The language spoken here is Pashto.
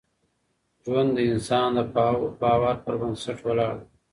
ژوند د انسان د باور پر بنسټ ولاړ دی.